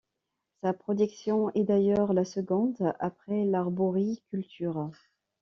Sa production est d'ailleurs la seconde après l'arboriculture.